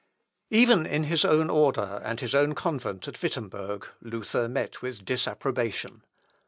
Even in his own order and his own convent of Wittemberg, Luther met with disapprobation.